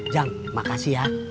jang makasih ya